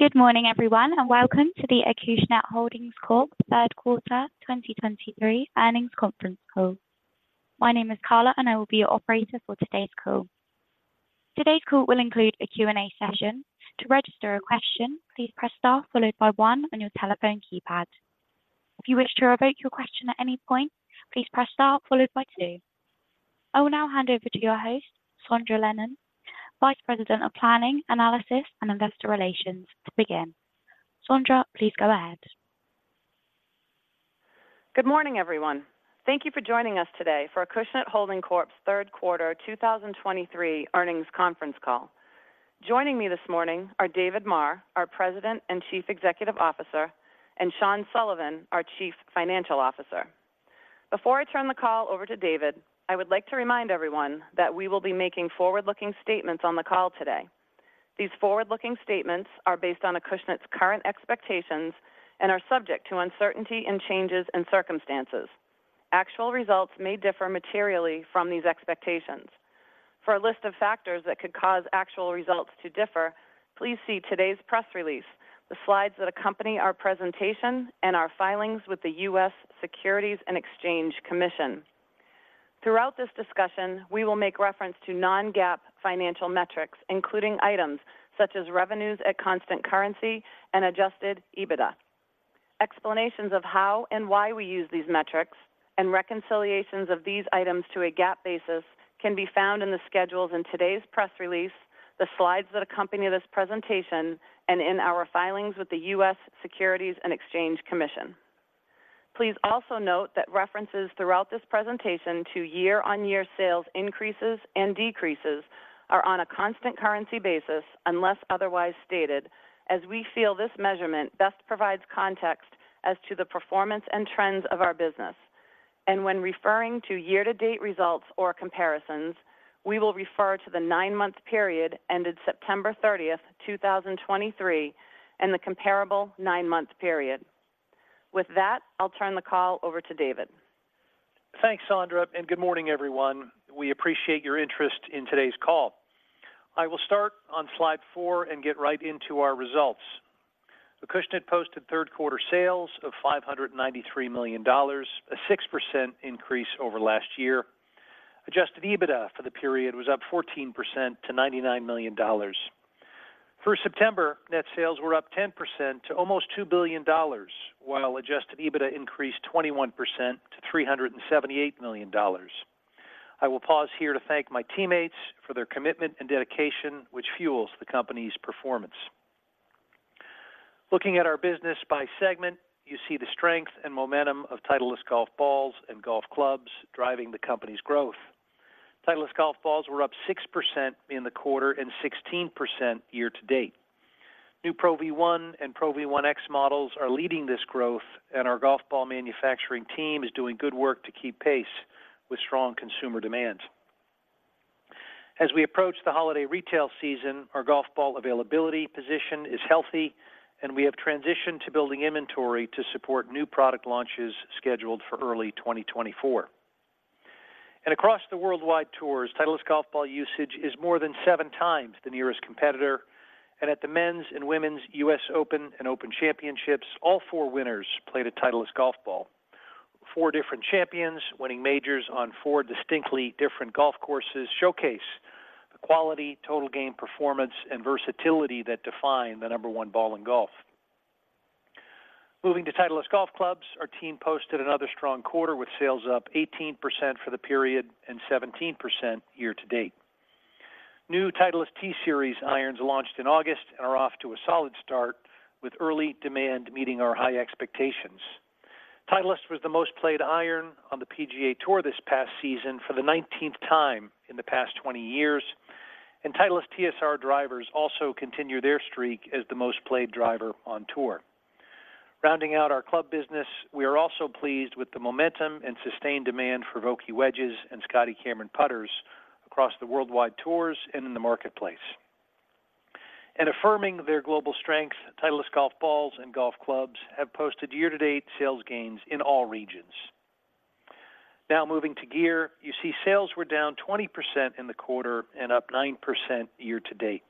Good morning, everyone, and welcome to the Acushnet Holdings Corp's third quarter 2023 earnings conference call. My name is Carla, and I will be your operator for today's call. Today's call will include a Q&A session. To register a question, please press star followed by one on your telephone keypad. If you wish to revoke your question at any point, please press star followed by two. I will now hand over to your host, Sondra Lennon, Vice President of Planning, Analysis, and Investor Relations, to begin. Sondra, please go ahead. Good morning, everyone. Thank you for joining us today for Acushnet Holdings Corp.'s third quarter 2023 earnings conference call. Joining me this morning are David Maher, our President and Chief Executive Officer, and Sean Sullivan, our Chief Financial Officer. Before I turn the call over to David, I would like to remind everyone that we will be making forward-looking statements on the call today. These forward-looking statements are based on Acushnet's current expectations and are subject to uncertainty and changes in circumstances. Actual results may differ materially from these expectations. For a list of factors that could cause actual results to differ, please see today's press release, the slides that accompany our presentation, and our filings with the U.S. Securities and Exchange Commission. Throughout this discussion, we will make reference to non-GAAP financial metrics, including items such as revenues at constant currency and Adjusted EBITDA. Explanations of how and why we use these metrics and reconciliations of these items to a GAAP basis can be found in the schedules in today's press release, the slides that accompany this presentation, and in our filings with the U.S. Securities and Exchange Commission. Please also note that references throughout this presentation to year-on-year sales increases and decreases are on a constant currency basis, unless otherwise stated, as we feel this measurement best provides context as to the performance and trends of our business. When referring to year-to-date results or comparisons, we will refer to the nine-month period ended September thirtieth, two thousand twenty-three, and the comparable nine-month period. With that, I'll turn the call over to David. Thanks, Sondra, and good morning, everyone. We appreciate your interest in today's call. I will start on slide four and get right into our results. Acushnet posted third quarter sales of $593 million, a 6% increase over last year. Adjusted EBITDA for the period was up 14% to $99 million. For September, net sales were up 10% to almost $2 billion, while adjusted EBITDA increased 21% to $378 million. I will pause here to thank my teammates for their commitment and dedication, which fuels the company's performance. Looking at our business by segment, you see the strength and momentum of Titleist golf balls and golf clubs driving the company's growth. Titleist golf balls were up 6% in the quarter and 16% year to date. New Pro V1 and Pro V1x models are leading this growth, and our golf ball manufacturing team is doing good work to keep pace with strong consumer demand. As we approach the holiday retail season, our golf ball availability position is healthy, and we have transitioned to building inventory to support new product launches scheduled for early 2024. Across the worldwide tours, Titleist golf ball usage is more than 7 times the nearest competitor, and at the Men's and Women's U.S. Open and Open championships, all 4 winners played a Titleist golf ball. 4 different champions, winning majors on 4 distinctly different golf courses, showcase the quality, total game performance, and versatility that define the number one ball in golf. Moving to Titleist golf clubs, our team posted another strong quarter, with sales up 18% for the period and 17% year to date. New Titleist T-Series irons launched in August and are off to a solid start, with early demand meeting our high expectations. Titleist was the most played iron on the PGA Tour this past season for the nineteenth time in the past 20 years, and Titleist TSR drivers also continue their streak as the most played driver on tour. Rounding out our club business, we are also pleased with the momentum and sustained demand for Vokey wedges and Scotty Cameron putters across the worldwide tours and in the marketplace. And affirming their global strength, Titleist golf balls and golf clubs have posted year-to-date sales gains in all regions. Now moving to gear, you see sales were down 20% in the quarter and up 9% year to date.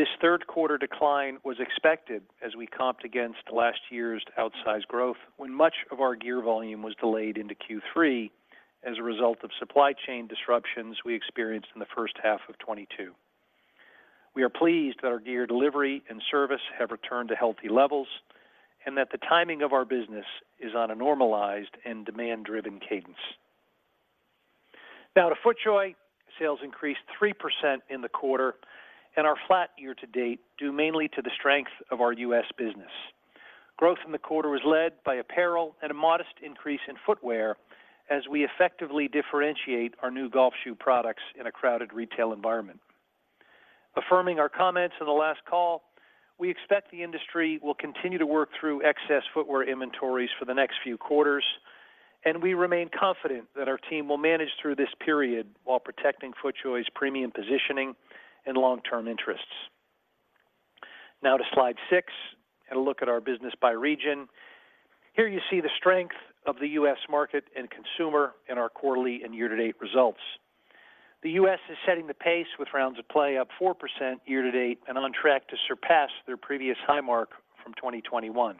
This third quarter decline was expected as we comped against last year's outsized growth, when much of our gear volume was delayed into Q3 as a result of supply chain disruptions we experienced in the first half of 2022. We are pleased that our gear delivery and service have returned to healthy levels and that the timing of our business is on a normalized and demand-driven cadence. Now to FootJoy, sales increased 3% in the quarter and are flat year to date, due mainly to the strength of our U.S. business. Growth in the quarter was led by apparel and a modest increase in footwear as we effectively differentiate our new golf shoe products in a crowded retail environment. Affirming our comments on the last call, we expect the industry will continue to work through excess footwear inventories for the next few quarters, and we remain confident that our team will manage through this period while protecting FootJoy's premium positioning and long-term interests. Now to slide 6 and a look at our business by region. Here you see the strength of the U.S. market and consumer in our quarterly and year-to-date results. The U.S. is setting the pace with rounds of play up 4% year-to-date, and on track to surpass their previous high mark from 2021.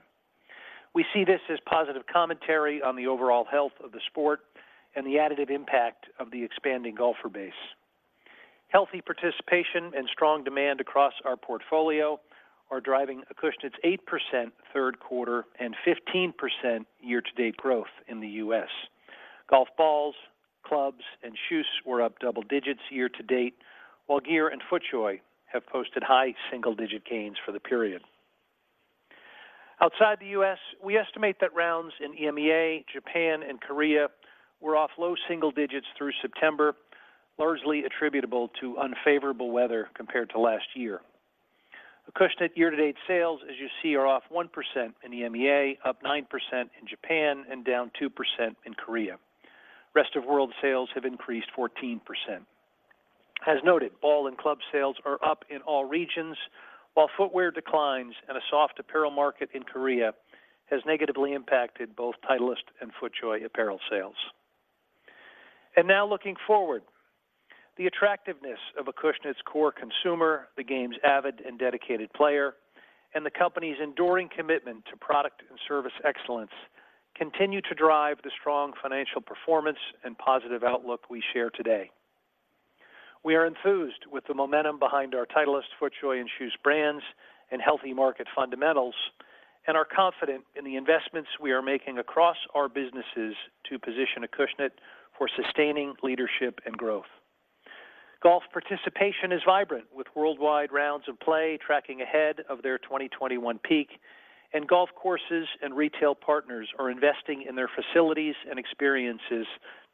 We see this as positive commentary on the overall health of the sport and the additive impact of the expanding golfer base. Healthy participation and strong demand across our portfolio are driving Acushnet's 8% third quarter and 15% year-to-date growth in the U.S. Golf balls, clubs, and shoes were up double digits year to date, while gear and FootJoy have posted high single-digit gains for the period. Outside the US, we estimate that rounds in EMEA, Japan, and Korea were off low single digits through September, largely attributable to unfavorable weather compared to last year. Acushnet year-to-date sales, as you see, are off 1% in EMEA, up 9% in Japan, and down 2% in Korea. Rest of World sales have increased 14%. As noted, ball and club sales are up in all regions, while footwear declines and a soft apparel market in Korea has negatively impacted both Titleist and FootJoy apparel sales. Now looking forward, the attractiveness of Acushnet's core consumer, the game's avid and dedicated player, and the company's enduring commitment to product and service excellence, continue to drive the strong financial performance and positive outlook we share today. We are enthused with the momentum behind our Titleist, FootJoy, and KJUS brands and healthy market fundamentals, and are confident in the investments we are making across our businesses to position Acushnet for sustaining leadership and growth. Golf participation is vibrant, with worldwide rounds of play tracking ahead of their 2021 peak, and golf courses and retail partners are investing in their facilities and experiences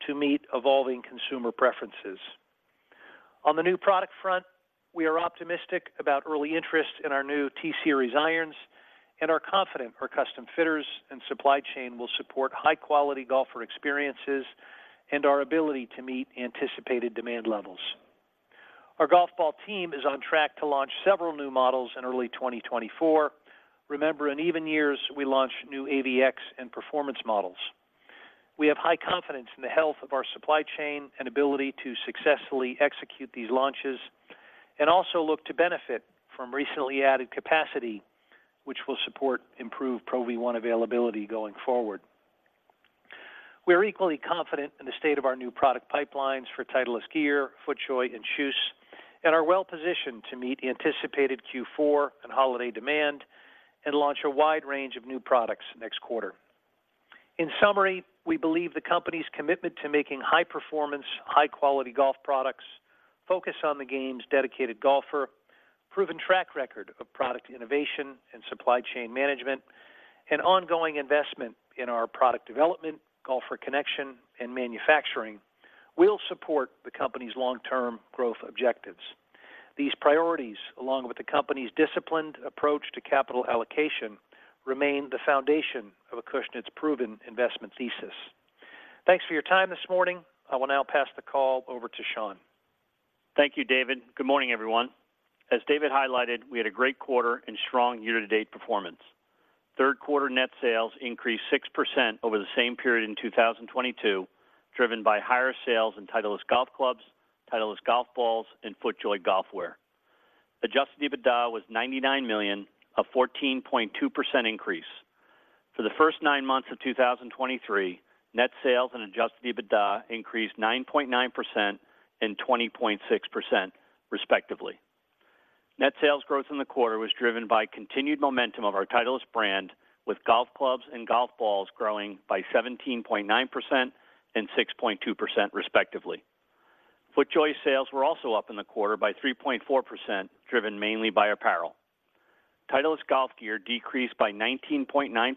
to meet evolving consumer preferences. On the new product front, we are optimistic about early interest in our new T-Series irons and are confident our custom fitters and supply chain will support high-quality golfer experiences and our ability to meet anticipated demand levels. Our golf ball team is on track to launch several new models in early 2024. Remember, in even years, we launch new AVX and performance models. We have high confidence in the health of our supply chain and ability to successfully execute these launches, and also look to benefit from recently added capacity, which will support improved Pro V1 availability going forward. We are equally confident in the state of our new product pipelines for Titleist gear, FootJoy, and KJUS, and are well positioned to meet the anticipated Q4 and holiday demand and launch a wide range of new products next quarter. In summary, we believe the company's commitment to making high-performance, high-quality golf products, focus on the game's dedicated golfer, proven track record of product innovation and supply chain management, and ongoing investment in our product development, golfer connection, and manufacturing will support the company's long-term growth objectives. These priorities, along with the company's disciplined approach to capital allocation, remain the foundation of Acushnet's proven investment thesis. Thanks for your time this morning. I will now pass the call over to Sean. Thank you, David. Good morning, everyone. As David highlighted, we had a great quarter and strong year-to-date performance. Third quarter net sales increased 6% over the same period in 2022, driven by higher sales in Titleist golf clubs, Titleist golf balls, and FootJoy golf wear. Adjusted EBITDA was $99 million, a 14.2% increase. For the first nine months of 2023, net sales and adjusted EBITDA increased 9.9% and 20.6%, respectively. Net sales growth in the quarter was driven by continued momentum of our Titleist brand, with golf clubs and golf balls growing by 17.9% and 6.2%, respectively. FootJoy sales were also up in the quarter by 3.4%, driven mainly by apparel. Titleist golf gear decreased by 19.9%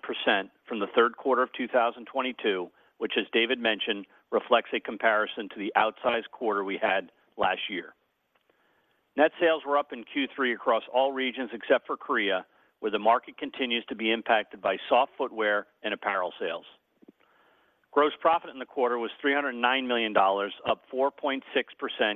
from the third quarter of 2022, which, as David mentioned, reflects a comparison to the outsized quarter we had last year. Net sales were up in Q3 across all regions except for Korea, where the market continues to be impacted by soft footwear and apparel sales. Gross profit in the quarter was $309 million, up 4.6%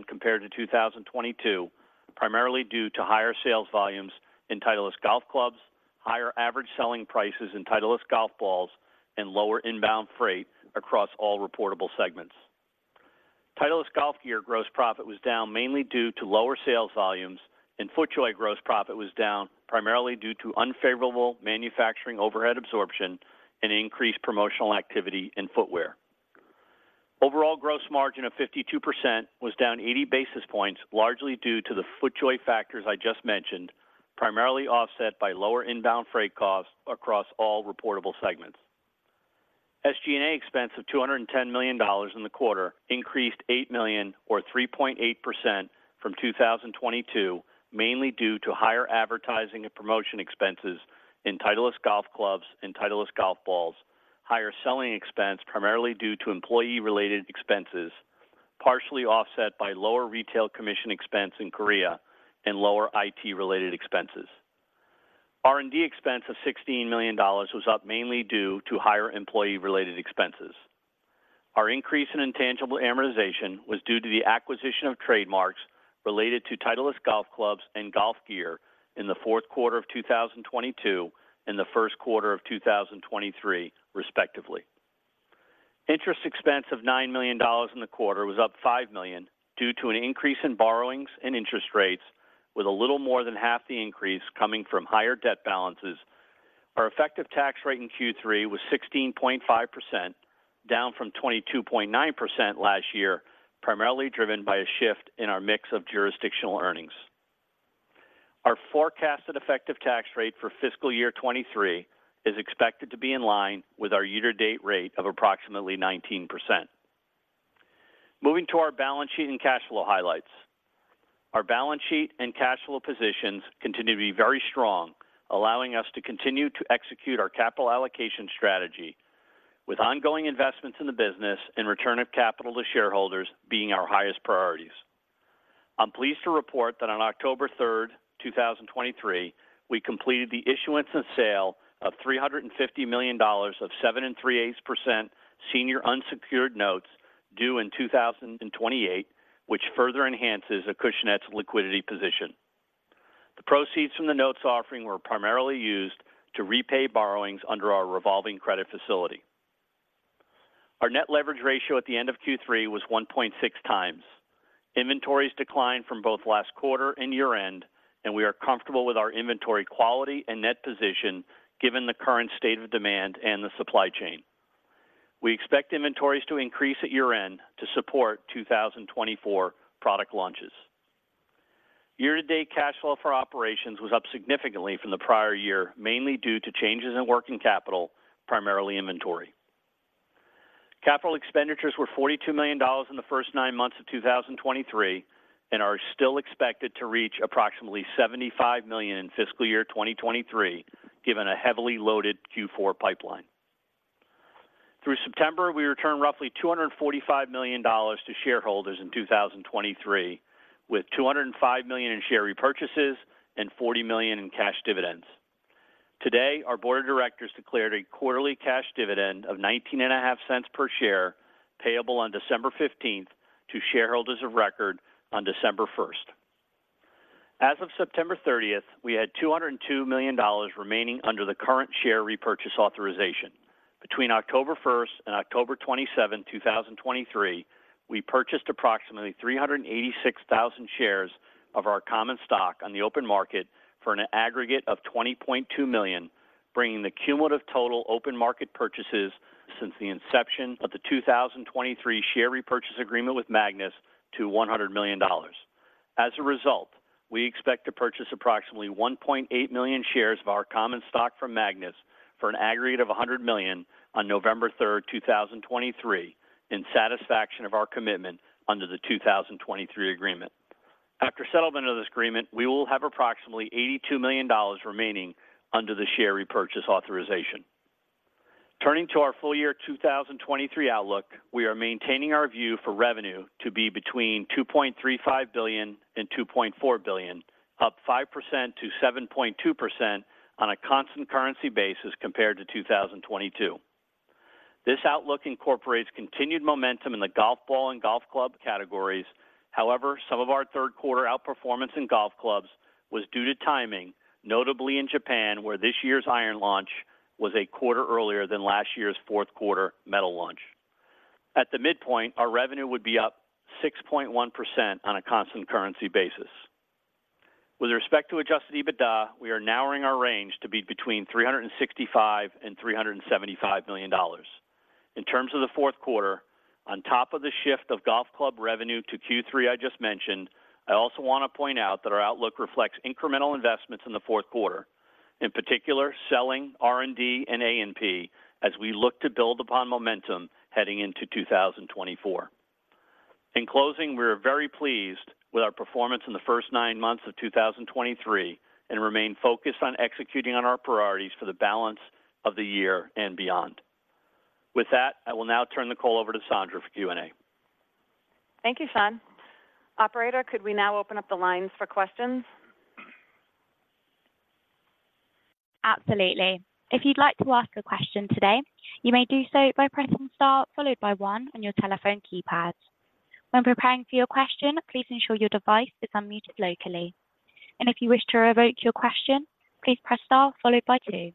compared to 2022, primarily due to higher sales volumes in Titleist golf clubs, higher average selling prices in Titleist golf balls, and lower inbound freight across all reportable segments. Titleist golf gear gross profit was down mainly due to lower sales volumes, and FootJoy gross profit was down primarily due to unfavorable manufacturing overhead absorption and increased promotional activity in footwear. Overall gross margin of 52% was down 80 basis points, largely due to the FootJoy factors I just mentioned, primarily offset by lower inbound freight costs across all reportable segments. SG&A expense of $210 million in the quarter increased $8 million or 3.8% from 2022, mainly due to higher advertising and promotion expenses in Titleist golf clubs and Titleist golf balls. Higher selling expense, primarily due to employee-related expenses, partially offset by lower retail commission expense in Korea and lower IT-related expenses. R&D expense of $16 million was up mainly due to higher employee-related expenses. Our increase in intangible amortization was due to the acquisition of trademarks related to Titleist golf clubs and golf gear in the fourth quarter of 2022, and the first quarter of 2023, respectively. Interest expense of $9 million in the quarter was up $5 million due to an increase in borrowings and interest rates, with a little more than half the increase coming from higher debt balances. Our effective tax rate in Q3 was 16.5%, down from 22.9% last year, primarily driven by a shift in our mix of jurisdictional earnings. Our forecasted effective tax rate for fiscal year 2023 is expected to be in line with our year-to-date rate of approximately 19%. Moving to our balance sheet and cash flow highlights. Our balance sheet and cash flow positions continue to be very strong, allowing us to continue to execute our capital allocation strategy with ongoing investments in the business and return of capital to shareholders being our highest priorities. I'm pleased to report that on October 3, 2023, we completed the issuance and sale of $350 million of 7 3/8% senior unsecured notes due in 2028, which further enhances Acushnet's liquidity position. The proceeds from the notes offering were primarily used to repay borrowings under our revolving credit facility. Our net leverage ratio at the end of Q3 was 1.6 times. Inventories declined from both last quarter and year-end, and we are comfortable with our inventory quality and net position, given the current state of demand and the supply chain. We expect inventories to increase at year-end to support 2024 product launches. Year-to-date cash flow for operations was up significantly from the prior year, mainly due to changes in working capital, primarily inventory. Capital expenditures were $42 million in the first nine months of 2023, and are still expected to reach approximately $75 million in fiscal year 2023, given a heavily loaded Q4 pipeline. Through September, we returned roughly $245 million to shareholders in 2023, with $205 million in share repurchases and $40 million in cash dividends. Today, our board of directors declared a quarterly cash dividend of $0.195 per share, payable on December fifteenth to shareholders of record on December first. As of September thirtieth, we had $202 million remaining under the current share repurchase authorization. Between October 1 and October 27, 2023, we purchased approximately 386,000 shares of our common stock on the open market for an aggregate of $20.2 million, bringing the cumulative total open market purchases since the inception of the 2023 share repurchase agreement with Magnus to $100 million. As a result, we expect to purchase approximately 1.8 million shares of our common stock from Magnus for an aggregate of $100 million on November 3, 2023, in satisfaction of our commitment under the 2023 agreement. After settlement of this agreement, we will have approximately $82 million remaining under the share repurchase authorization. Turning to our full-year 2023 outlook, we are maintaining our view for revenue to be between $2.35 billion and $2.4 billion, up 5%-7.2% on a constant currency basis compared to 2022. This outlook incorporates continued momentum in the golf ball and golf club categories. However, some of our third quarter outperformance in golf clubs was due to timing, notably in Japan, where this year's iron launch was a quarter earlier than last year's fourth quarter metal launch. At the midpoint, our revenue would be up 6.1% on a constant currency basis. With respect to Adjusted EBITDA, we are narrowing our range to be between $365 million and $375 million. In terms of the fourth quarter, on top of the shift of golf club revenue to Q3, I just mentioned, I also want to point out that our outlook reflects incremental investments in the fourth quarter, in particular, selling, R&D and A&P, as we look to build upon momentum heading into 2024. In closing, we are very pleased with our performance in the first nine months of 2023, and remain focused on executing on our priorities for the balance of the year and beyond. With that, I will now turn the call over to Sondra for Q&A. Thank you, Sean. Operator, could we now open up the lines for questions? Absolutely. If you'd like to ask a question today, you may do so by pressing star, followed by one on your telephone keypad. When preparing for your question, please ensure your device is unmuted locally, and if you wish to revoke your question, please press star followed by two.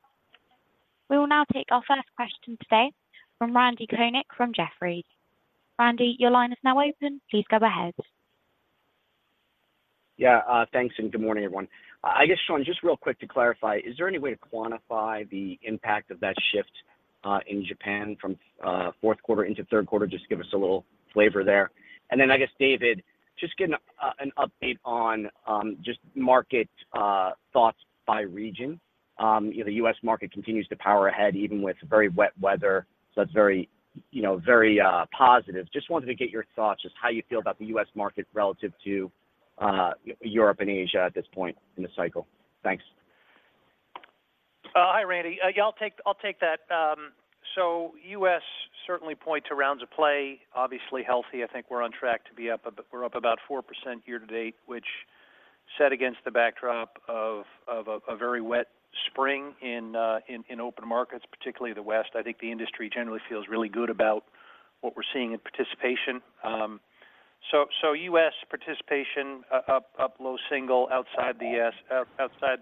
We will now take our first question today from Randy Konik from Jefferies. Randy, your line is now open. Please go ahead. Yeah, thanks, and good morning, everyone. I guess, Sean, just real quick to clarify, is there any way to quantify the impact of that shift, in Japan from, fourth quarter into third quarter? Just give us a little flavor there. And then I guess, David, just get an, an update on, just market, thoughts by region. You know, the U.S. market continues to power ahead, even with very wet weather. So that's very, you know, very, positive. Just wanted to get your thoughts, just how you feel about the U.S. market relative to, Europe and Asia at this point in the cycle. Thanks. Hi, Randy. Yeah, I'll take that. So U.S. certainly points to rounds of play, obviously healthy. I think we're on track to be up, we're up about 4% year to date, which...... set against the backdrop of a very wet spring in open markets, particularly the West. I think the industry generally feels really good about what we're seeing in participation. So US participation up low single outside the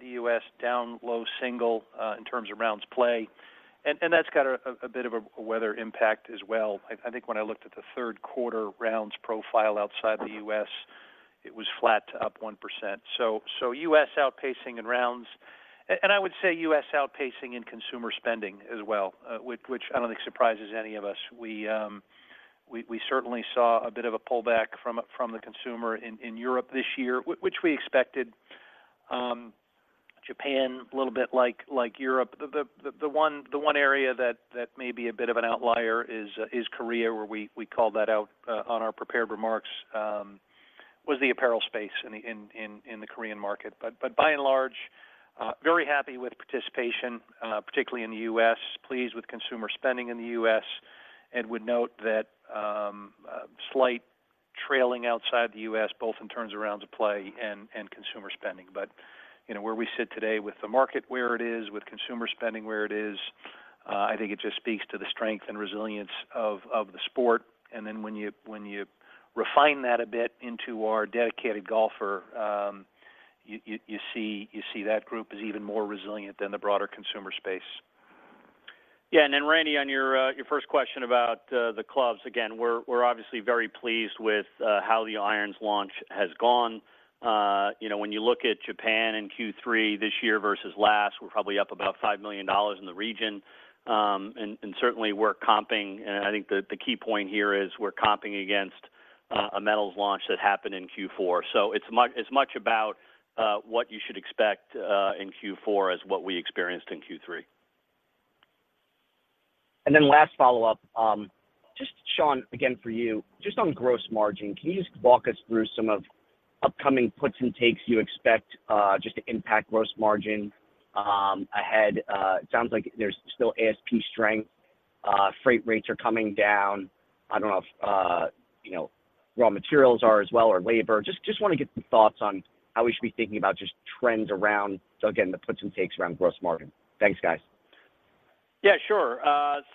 US, down low single in terms of rounds play. And that's got a bit of a weather impact as well. I think when I looked at the third quarter rounds profile outside the US, it was flat to up 1%. So US outpacing in rounds, and I would say US outpacing in consumer spending as well, which I don't think surprises any of us. We certainly saw a bit of a pullback from the consumer in Europe this year, which we expected. Japan, a little bit like Europe. The one area that may be a bit of an outlier is Korea, where we called that out on our prepared remarks was the apparel space in the Korean market. But by and large, very happy with participation, particularly in the U.S., pleased with consumer spending in the U.S., and would note that a slight trailing outside the U.S., both in terms of rounds of play and consumer spending. You know, where we sit today with the market where it is, with consumer spending where it is, I think it just speaks to the strength and resilience of the sport. Then when you refine that a bit into our dedicated golfer, you see that group is even more resilient than the broader consumer space. Yeah, and then, Randy, on your, your first question about the clubs, again, we're, we're obviously very pleased with how the irons launch has gone. You know, when you look at Japan in Q3 this year versus last, we're probably up about $5 million in the region. And, and certainly, we're comping, and I think the, the key point here is we're comping against a metals launch that happened in Q4. So it's mu- it's much about what you should expect in Q4 as what we experienced in Q3. And then last follow-up, just Sean, again, for you, just on gross margin, can you just walk us through some of upcoming puts and takes you expect, just to impact gross margin, ahead? It sounds like there's still ASP strength, freight rates are coming down. I don't know if, you know, raw materials are as well, or labor. Just, just wanna get some thoughts on how we should be thinking about just trends around, so again, the puts and takes around gross margin. Thanks, guys. Yeah, sure.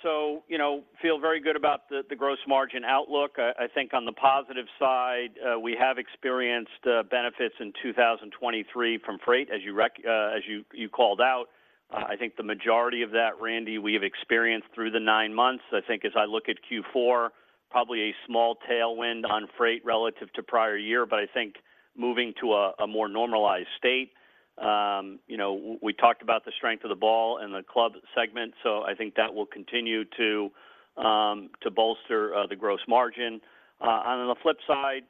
So you know, feel very good about the gross margin outlook. I think on the positive side, we have experienced benefits in 2023 from freight, as you called out. I think the majority of that, Randy, we have experienced through the nine months. I think as I look at Q4, probably a small tailwind on freight relative to prior year, but I think moving to a more normalized state. You know, we talked about the strength of the ball and the club segment, so I think that will continue to bolster the gross margin. On the flip side,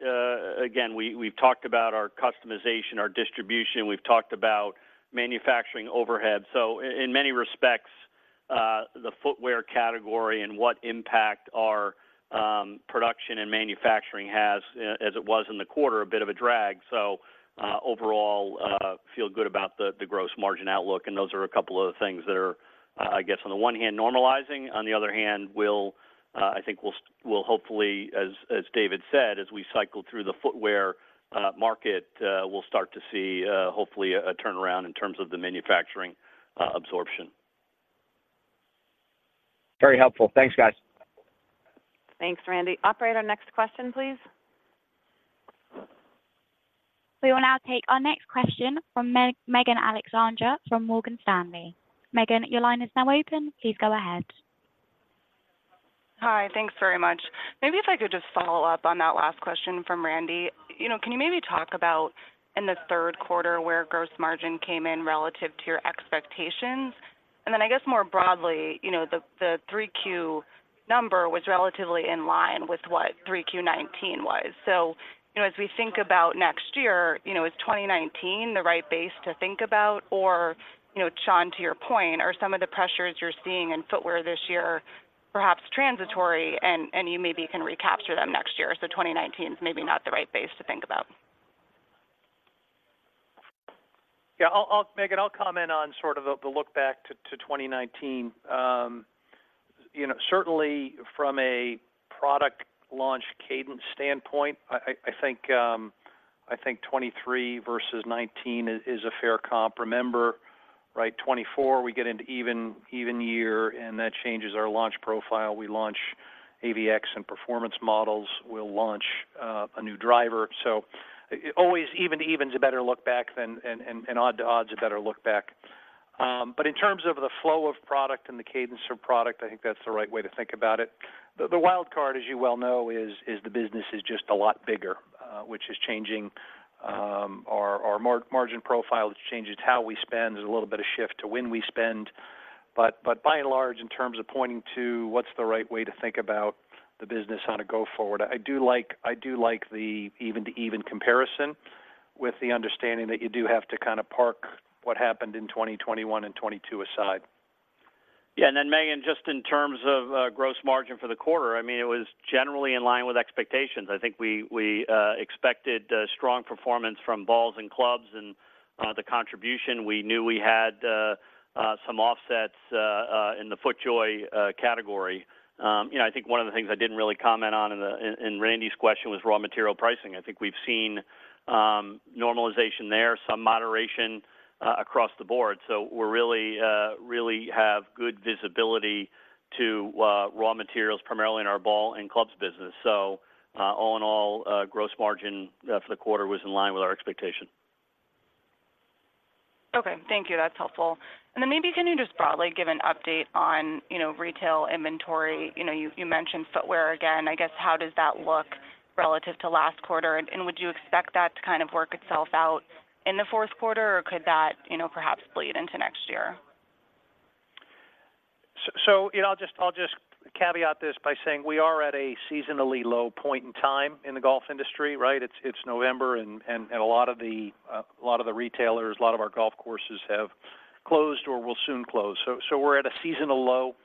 again, we've talked about our customization, our distribution, we've talked about manufacturing overhead. So in many respects, the footwear category and what impact our production and manufacturing has, as it was in the quarter, a bit of a drag. So overall, feel good about the gross margin outlook, and those are a couple of things that are, I guess, on the one hand, normalizing, on the other hand, will, I think will hopefully, as David said, as we cycle through the footwear market, we'll start to see, hopefully, a turnaround in terms of the manufacturing absorption. Very helpful. Thanks, guys. Thanks, Randy. Operator, next question, please. We will now take our next question from Megan Alexander from Morgan Stanley. Megan, your line is now open. Please go ahead. Hi, thanks very much. Maybe if I could just follow up on that last question from Randy. You know, can you maybe talk about in the third quarter, where gross margin came in relative to your expectations? And then I guess, more broadly, you know, the 3Q number was relatively in line with what 3Q 2019 was. So, you know, as we think about next year, you know, is 2019 the right base to think about? Or, you know, Sean, to your point, are some of the pressures you're seeing in footwear this year, perhaps transitory, and you maybe can recapture them next year, so 2019 is maybe not the right base to think about? Yeah, I'll Megan, I'll comment on sort of the look back to 2019. You know, certainly from a product launch cadence standpoint, I think 2023 versus 2019 is a fair comp. Remember, right, 2024, we get into even year, and that changes our launch profile. We launch AVX and performance models. We'll launch a new driver. So always even to even is a better look back than and odd to odd is a better look back. But in terms of the flow of product and the cadence of product, I think that's the right way to think about it. The wild card, as you well know, is the business is just a lot bigger, which is changing our margin profile. It's changing how we spend. There's a little bit of shift to when we spend, but by and large, in terms of pointing to what's the right way to think about the business on a go forward, I do like the even to even comparison with the understanding that you do have to kind of park what happened in 2021 and 2022 aside. Yeah, and then, Megan, just in terms of gross margin for the quarter, I mean, it was generally in line with expectations. I think we expected strong performance from balls and clubs and the contribution. We knew we had some offsets in the FootJoy category. You know, I think one of the things I didn't really comment on in Randy's question was raw material pricing. I think we've seen normalization there, some moderation across the board. So we're really have good visibility to raw materials, primarily in our ball and clubs business. So all in all, gross margin for the quarter was in line with our expectation. Okay, thank you. That's helpful. And then maybe can you just broadly give an update on, you know, retail inventory? You know, you mentioned footwear again. I guess, how does that look relative to last quarter? And would you expect that to kind of work itself out in the fourth quarter, or could that, you know, perhaps bleed into next year? So, you know, I'll just caveat this by saying we are at a seasonally low point in time in the golf industry, right? It's November, and a lot of the retailers, a lot of our golf courses have closed or will soon close. So we're at a seasonal low.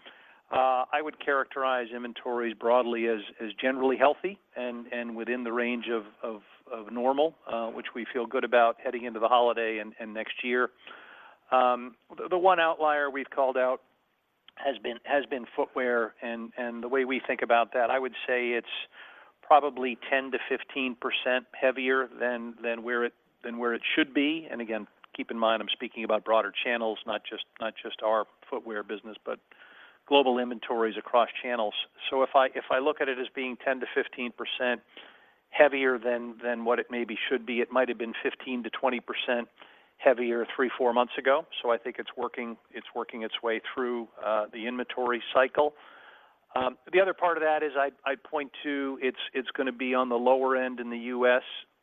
I would characterize inventories broadly as generally healthy and within the range of normal, which we feel good about heading into the holiday and next year. The one outlier we've called out has been footwear, and the way we think about that, I would say it's probably 10%-15% heavier than where it should be. Again, keep in mind, I'm speaking about broader channels, not just, not just our footwear business, but global inventories across channels. So if I, if I look at it as being 10%-15% heavier than, than what it maybe should be, it might have been 15%-20% heavier 3-4 months ago. So I think it's working, it's working its way through the inventory cycle. The other part of that is I, I'd point to, it's, it's gonna be on the lower end in the U.S.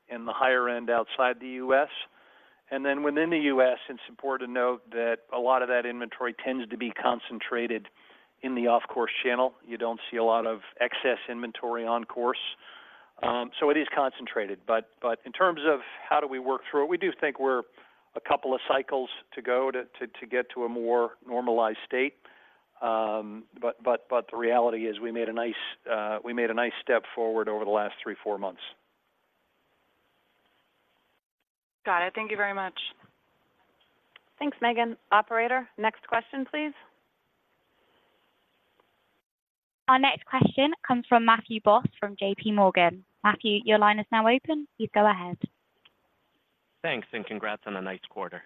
and the higher end outside the U.S. And then within the U.S., it's important to note that a lot of that inventory tends to be concentrated in the off-course channel. You don't see a lot of excess inventory on course, so it is concentrated. But in terms of how do we work through it, we do think we're a couple of cycles to go to get to a more normalized state. But the reality is we made a nice step forward over the last 3-4 months. Got it. Thank you very much. Thanks, Megan. Operator, next question, please. Our next question comes from Matthew Boss, from JP Morgan. Matthew, your line is now open. Please go ahead. Thanks, and congrats on a nice quarter.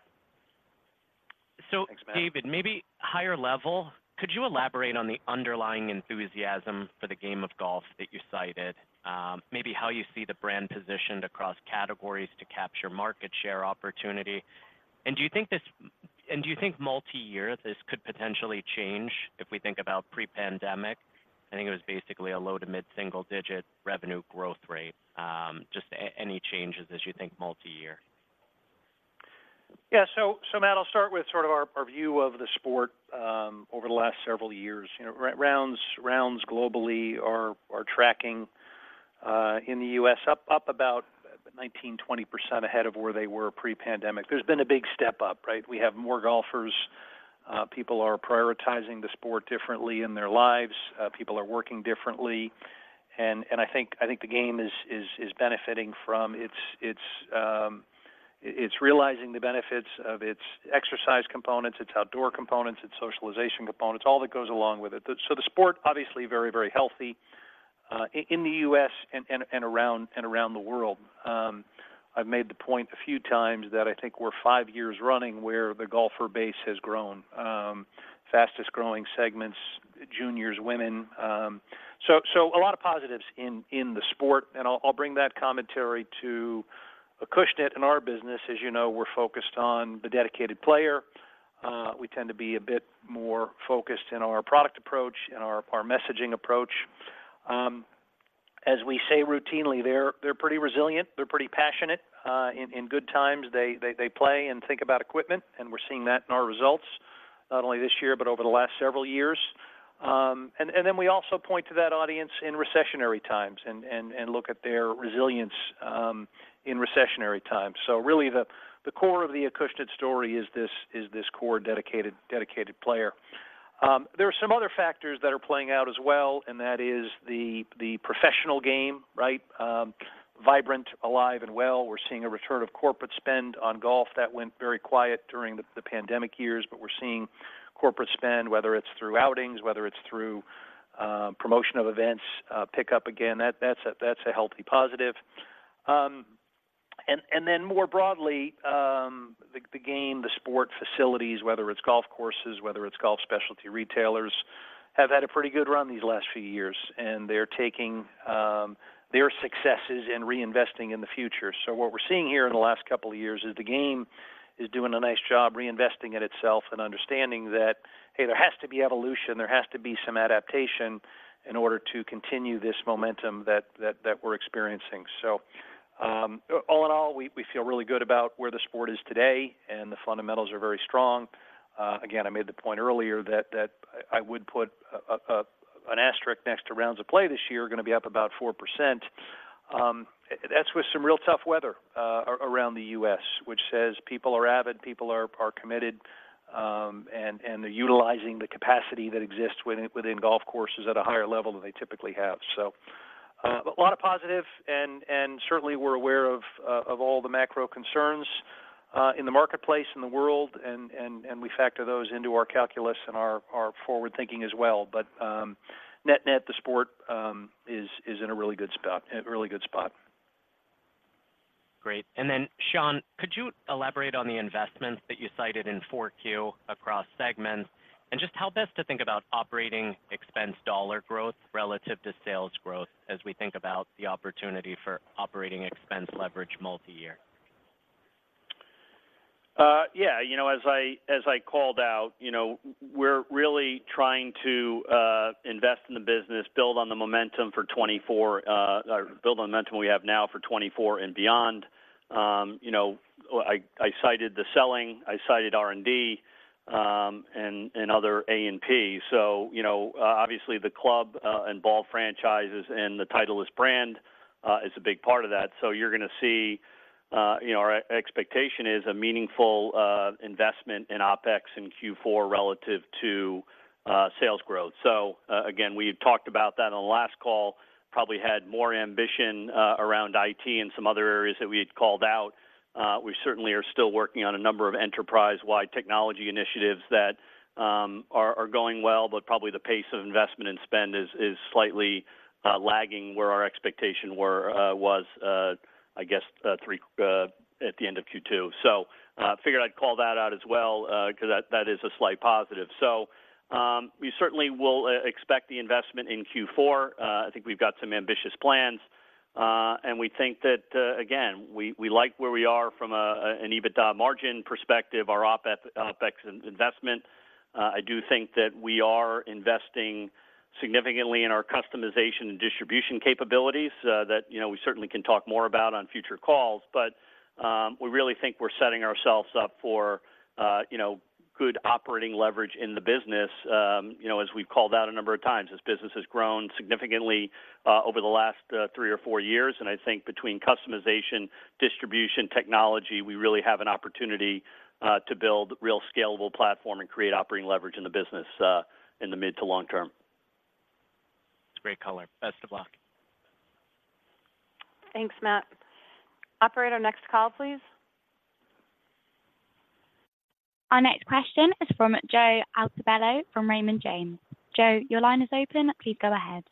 Thanks, Matt. So, David, maybe higher level, could you elaborate on the underlying enthusiasm for the game of golf that you cited? Maybe how you see the brand positioned across categories to capture market share opportunity. And do you think this... And do you think multi-year, this could potentially change if we think about pre-pandemic? I think it was basically a low to mid-single digit revenue growth rate. Just any changes as you think multi-year. Yeah. So, Matt, I'll start with sort of our view of the sport over the last several years. You know, rounds globally are tracking in the US, up about 19%-20% ahead of where they were pre-pandemic. There's been a big step up, right? We have more golfers. People are prioritizing the sport differently in their lives. People are working differently. And I think the game is benefiting from its, it's realizing the benefits of its exercise components, its outdoor components, its socialization components, all that goes along with it. So the sport, obviously very healthy in the US and around the world. I've made the point a few times that I think we're five years running, where the golfer base has grown. Fastest growing segments, juniors, women. So a lot of positives in the sport, and I'll bring that commentary to Acushnet. In our business, as you know, we're focused on the dedicated player. We tend to be a bit more focused in our product approach, in our messaging approach. As we say, routinely, they're pretty resilient, they're pretty passionate. In good times, they play and think about equipment, and we're seeing that in our results, not only this year, but over the last several years. And then we also point to that audience in recessionary times and look at their resilience in recessionary times. So really, the core of the Acushnet story is this core, dedicated player. There are some other factors that are playing out as well, and that is the professional game, right? Vibrant, alive, and well. We're seeing a return of corporate spend on golf that went very quiet during the pandemic years, but we're seeing corporate spend, whether it's through outings, whether it's through promotion of events, pick up again. That, that's a healthy positive. And then more broadly, the game, the sport facilities, whether it's golf courses, whether it's golf specialty retailers, have had a pretty good run these last few years, and they're taking their successes and reinvesting in the future. So what we're seeing here in the last couple of years is the game is doing a nice job reinvesting in itself and understanding that, hey, there has to be evolution, there has to be some adaptation in order to continue this momentum that we're experiencing. So, all in all, we feel really good about where the sport is today, and the fundamentals are very strong. Again, I made the point earlier that I would put an asterisk next to rounds of play this year, are gonna be up about 4%. That's with some real tough weather around the U.S., which says people are avid, people are committed, and they're utilizing the capacity that exists within golf courses at a higher level than they typically have. So, a lot of positive and certainly we're aware of of all the macro concerns in the marketplace, in the world, and we factor those into our calculus and our forward thinking as well. But, net-net, the sport is in a really good spot, a really good spot. Great. And then, Sean, could you elaborate on the investments that you cited in 4Q across segments? And just how best to think about operating expense dollar growth relative to sales growth, as we think about the opportunity for operating expense leverage multi-year?... Yeah, you know, as I, as I called out, you know, we're really trying to invest in the business, build on the momentum for 2024, or build on momentum we have now for 2024 and beyond. You know, I, I cited the selling, I cited R&D, and other A&P. So, you know, obviously, the club and ball franchises and the Titleist brand is a big part of that. So you're going to see, you know, our expectation is a meaningful investment in OpEx in Q4 relative to sales growth. So, again, we talked about that on the last call, probably had more ambition around IT and some other areas that we had called out. We certainly are still working on a number of enterprise-wide technology initiatives that are going well, but probably the pace of investment and spend is slightly lagging where our expectation were, I guess, 3 at the end of Q2. So, figured I'd call that out as well, because that is a slight positive. So, we certainly will expect the investment in Q4. I think we've got some ambitious plans, and we think that, again, we like where we are from an EBITDA margin perspective, our OpEx investment. I do think that we are investing significantly in our customization and distribution capabilities, that, you know, we certainly can talk more about on future calls. But we really think we're setting ourselves up for, you know, good operating leverage in the business. You know, as we've called out a number of times, this business has grown significantly, over the last, three or four years, and I think between customization, distribution, technology, we really have an opportunity, to build real scalable platform and create operating leverage in the business, in the mid to long term. It's a great color. Best of luck. Thanks, Matt. Operator, next call, please. Our next question is from Joe Altobello from Raymond James. Joe, your line is open. Please go ahead.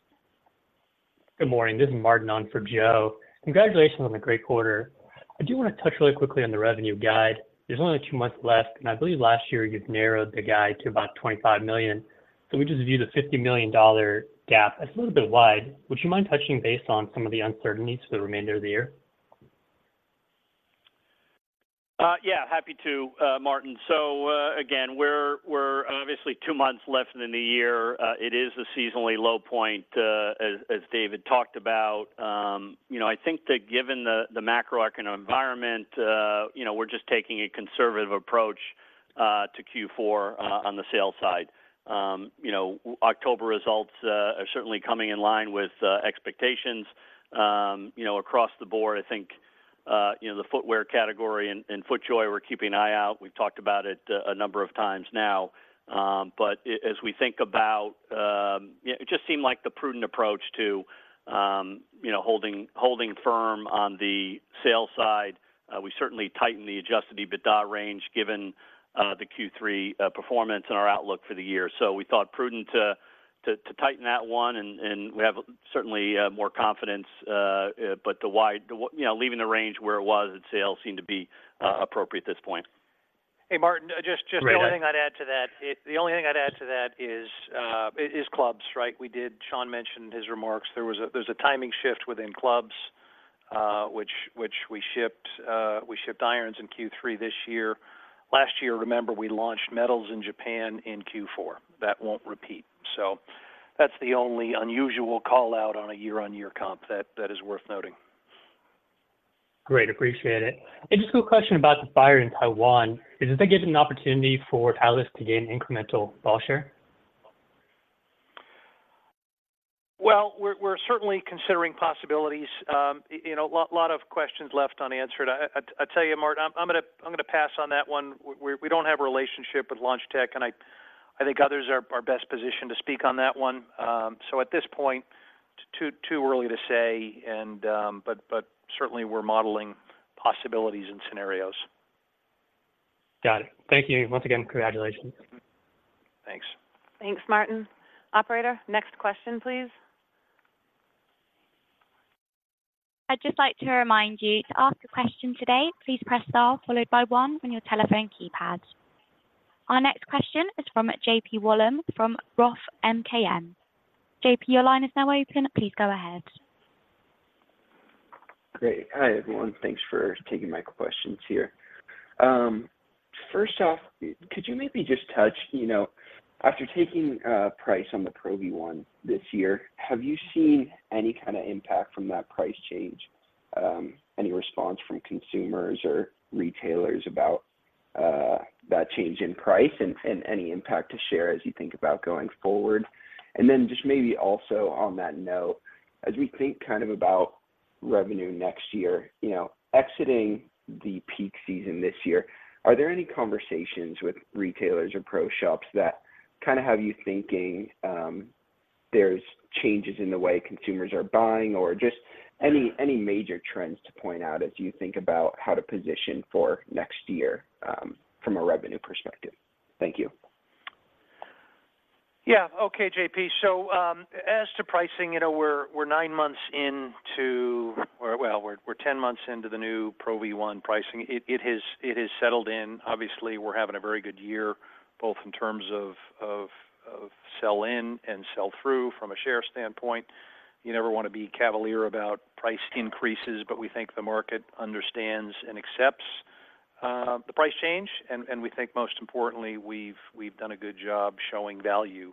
Good morning, this is Martin on for Joe. Congratulations on the great quarter. I do want to touch really quickly on the revenue guide. There's only two months left, and I believe last year you've narrowed the guide to about $25 million. So we just viewed a $50 million dollar gap. That's a little bit wide. Would you mind touching base on some of the uncertainties for the remainder of the year? Yeah, happy to, Martin. So, again, we're, we're obviously two months left in the year. It is a seasonally low point, as, as David talked about. You know, I think that given the, the macroeconomic environment, you know, we're just taking a conservative approach, to Q4, on the sales side. You know, October results, are certainly coming in line with, expectations, you know, across the board. I think, you know, the footwear category and, and FootJoy, we're keeping an eye out. We've talked about it, a number of times now. But as we think about... Yeah, it just seemed like the prudent approach to, you know, holding, holding firm on the sales side. We certainly tightened the Adjusted EBITDA range, given the Q3 performance and our outlook for the year. So we thought prudent to tighten that one, and we have certainly more confidence, but the wide, you know, leaving the range where it was at sales seemed to be appropriate at this point. Hey, Martin, just… Great... The only thing I'd add to that is clubs, right? Sean mentioned in his remarks, there's a timing shift within clubs, which we shipped irons in Q3 this year. Last year, remember, we launched metals in Japan in Q4. That won't repeat. So that's the only unusual call-out on a year-on-year comp that is worth noting. Great. Appreciate it. And just a quick question about the fire in Taiwan. Does that give you an opportunity for Titleist to gain incremental ball share? Well, we're certainly considering possibilities. You know, a lot of questions left unanswered. I'd tell you, Martin, I'm gonna pass on that one. We don't have a relationship with Launch Technologies, and I think others are best positioned to speak on that one. So at this point, too early to say, but certainly we're modeling possibilities and scenarios. Got it. Thank you once again. Congratulations. Thanks. Thanks, Martin. Operator, next question, please. I'd just like to remind you to ask a question today, please press star followed by one on your telephone keypad. Our next question is from JP Wollam from Roth MKM. JP, your line is now open. Please go ahead. Great. Hi, everyone. Thanks for taking my questions here. First off, could you maybe just touch, you know, after taking price on the Pro V1 this year, have you seen any kind of impact from that price change? Any response from consumers or retailers about that change in price and any impact to share as you think about going forward? And then just maybe also on that note, as we think kind of about revenue next year, you know, exiting the peak season this year, are there any conversations with retailers or pro shops that kind of have you thinking there's changes in the way consumers are buying or just any major trends to point out as you think about how to position for next year from a revenue perspective? Thank you. Yeah. Okay, JP. So, as to pricing, you know, we're nine months into... Well, we're ten months into the new Pro V1 pricing. It has, it has settled in. Obviously, we're having a very good year, both in terms of, of, of sell-in and sell-through from a share standpoint. You never want to be cavalier about price increases, but we think the market understands and accepts the price change, and, and we think most importantly, we've, we've done a good job showing value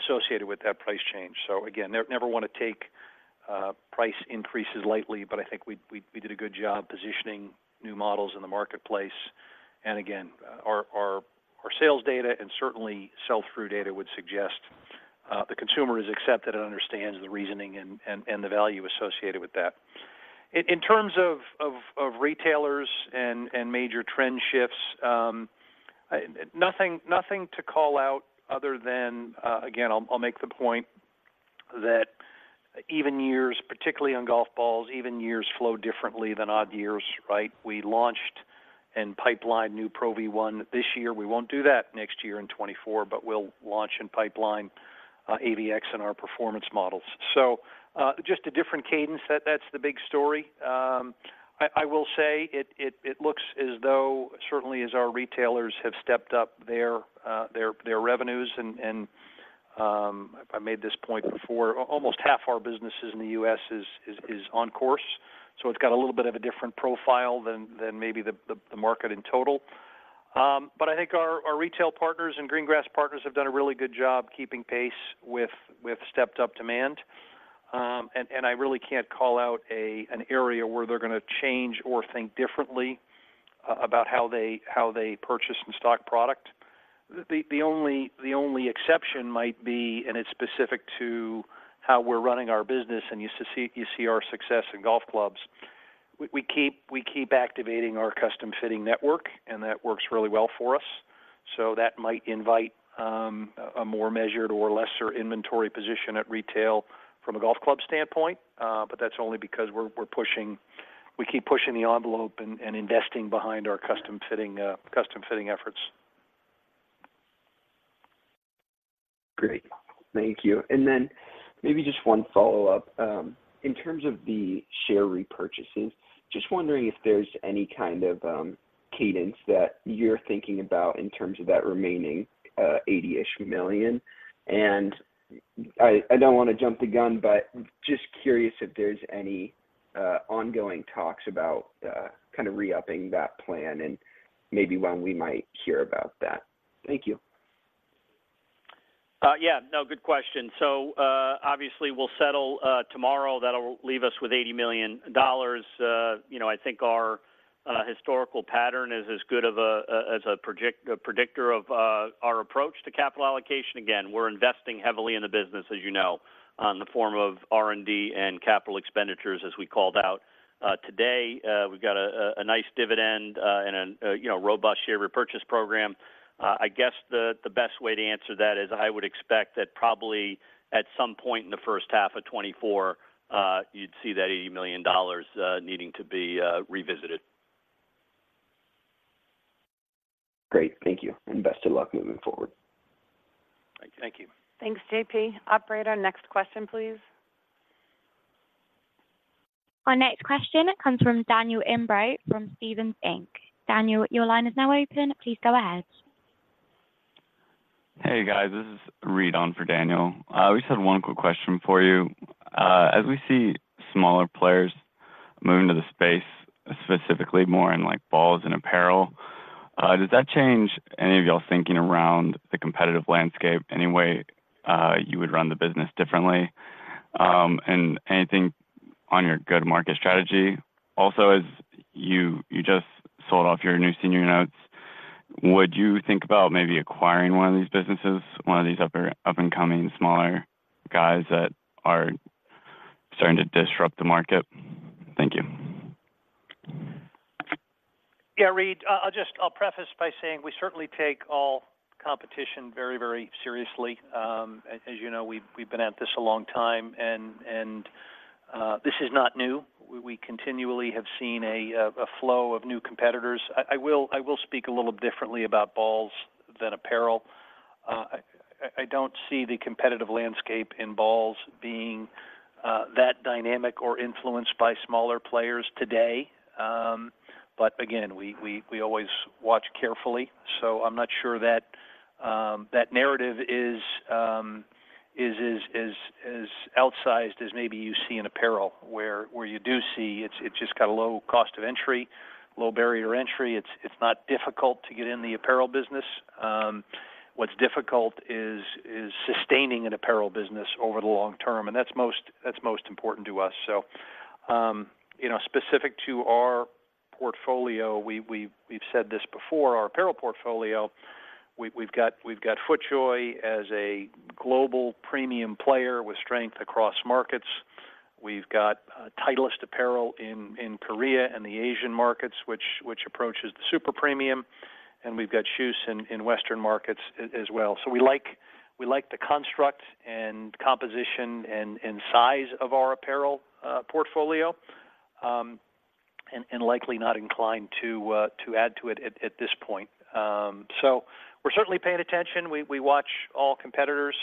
associated with that price change. Again, never want to take price increases lightly, but I think we, we, we did a good job positioning new models in the marketplace. Again, our, our, our sales data, and certainly sell-through data would suggest the consumer has accepted and understands the reasoning and, and, and the value associated with that. In terms of retailers and major trend shifts, nothing to call out other than, again, I'll make the point that even years, particularly on golf balls, even years flow differently than odd years, right? We launched and pipelined new Pro V1 this year. We won't do that next year in 2024, but we'll launch and pipeline AVX in our performance models. So, just a different cadence, that's the big story. I will say it looks as though, certainly as our retailers have stepped up their revenues, and I made this point before, almost half our businesses in the U.S. is on course. So it's got a little bit of a different profile than maybe the market in total. But I think our retail partners and green grass partners have done a really good job keeping pace with stepped up demand. And I really can't call out an area where they're gonna change or think differently about how they purchase and stock product. The only exception might be, and it's specific to how we're running our business, and you see our success in golf clubs. We keep activating our custom fitting network, and that works really well for us. So that might invite a more measured or lesser inventory position at retail from a golf club standpoint, but that's only because we're pushing, we keep pushing the envelope and investing behind our custom fitting efforts. Great. Thank you. And then maybe just one follow-up. In terms of the share repurchases, just wondering if there's any kind of cadence that you're thinking about in terms of that remaining $80-ish million. And I, I don't want to jump the gun, but just curious if there's any ongoing talks about kind of re-upping that plan and maybe when we might hear about that. Thank you. Yeah, no, good question. So, obviously, we'll settle tomorrow. That'll leave us with $80 million. You know, I think our historical pattern is as good of a predictor of our approach to capital allocation. Again, we're investing heavily in the business, as you know, on the form of R&D and capital expenditures, as we called out today. We've got a nice dividend and a robust share repurchase program. I guess the best way to answer that is I would expect that probably at some point in the first half of 2024, you'd see that $80 million needing to be revisited. Great. Thank you, and best of luck moving forward. Thank you. Thanks, JP. Operator, next question, please. Our next question comes from Daniel Imbro, from Stephens Inc. Daniel, your line is now open. Please go ahead. Hey, guys, this is Reed on for Daniel. We just had one quick question for you. As we see smaller players moving to the space, specifically more in, like, balls and apparel, does that change any of y'all's thinking around the competitive landscape, any way you would run the business differently? And anything on your good market strategy? Also, as you just sold off your new senior notes, would you think about maybe acquiring one of these businesses, one of these up-and-coming, smaller guys that are starting to disrupt the market? Thank you. Yeah, Reed, I'll just. I'll preface by saying we certainly take all competition very, very seriously. As you know, we've been at this a long time, and this is not new. We continually have seen a flow of new competitors. I will speak a little differently about balls than apparel. I don't see the competitive landscape in balls being that dynamic or influenced by smaller players today. But again, we always watch carefully, so I'm not sure that narrative is as outsized as maybe you see in apparel, where you do see it's just got a low cost of entry, low barrier entry. It's not difficult to get in the apparel business. What's difficult is sustaining an apparel business over the long term, and that's most important to us. So, you know, specific to our portfolio, we've said this before, our apparel portfolio, we've got FootJoy as a global premium player with strength across markets. We've got Titleist apparel in Korea and the Asian markets, which approaches the super premium, and we've got KJUS in Western markets as well. So we like the construct and composition and size of our apparel portfolio, and likely not inclined to add to it at this point. So we're certainly paying attention. We watch all competitors,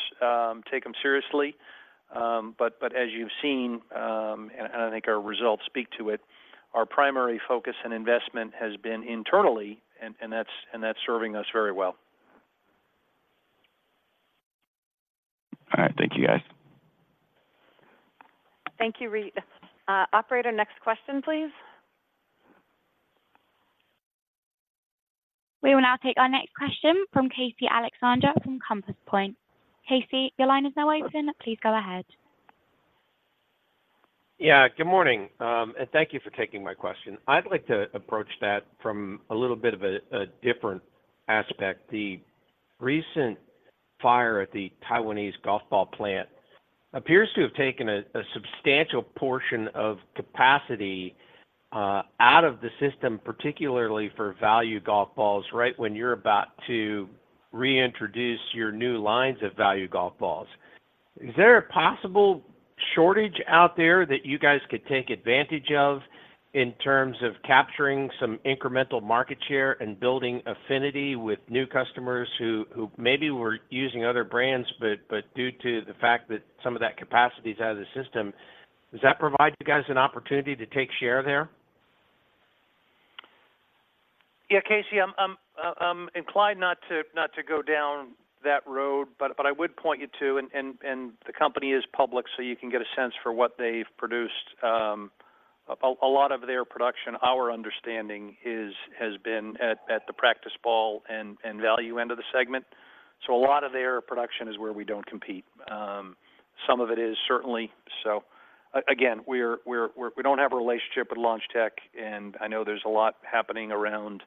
take them seriously. But as you've seen, and I think our results speak to it, our primary focus and investment has been internally, and that's serving us very well. All right. Thank you, guys. Thank you, Reed. Operator, next question, please. We will now take our next question from Casey Alexander from Compass Point. Casey, your line is now open. Please go ahead. Yeah, good morning, and thank you for taking my question. I'd like to approach that from a little bit of a different aspect. The recent fire at the Taiwanese golf ball plant appears to have taken a substantial portion of capacity out of the system, particularly for value golf balls, right when you're about to reintroduce your new lines of value golf balls. Is there a possible shortage out there that you guys could take advantage of in terms of capturing some incremental market share and building affinity with new customers who maybe were using other brands, but due to the fact that some of that capacity is out of the system, does that provide you guys an opportunity to take share there? Yeah, Casey, I'm inclined not to go down that road, but I would point you to, and the company is public, so you can get a sense for what they've produced. A lot of their production, our understanding is has been at the practice ball and value end of the segment. So a lot of their production is where we don't compete. Some of it is certainly. So again, we're we don't have a relationship with Launch Tech, and I know there's a lot happening around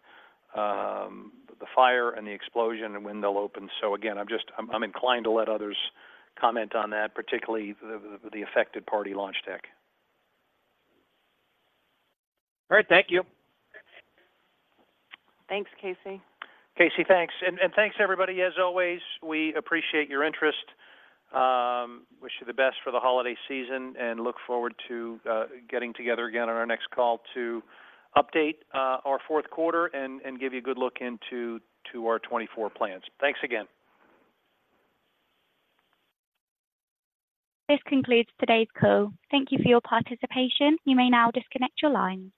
the fire and the explosion and when they'll open. So again, I'm just... I'm inclined to let others comment on that, particularly the affected party, Launch Tech. All right. Thank you. Thanks, Casey. Casey, thanks. And thanks, everybody, as always, we appreciate your interest. Wish you the best for the holiday season, and look forward to getting together again on our next call to update our fourth quarter and give you a good look into our 2024 plans. Thanks again. This concludes today's call. Thank you for your participation. You may now disconnect your line.